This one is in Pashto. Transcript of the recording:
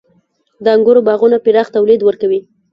• د انګورو باغونه پراخ تولید ورکوي.